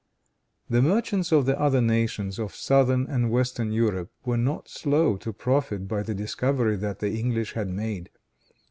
The merchants of the other nations of southern and western Europe were not slow to profit by the discovery that the English had made.